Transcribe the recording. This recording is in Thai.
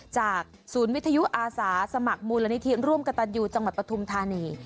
จากศูนย์วิทยุอาสาสมัครมูลนิธิร่วมกระตันยูจังหวัดปฐุมธานี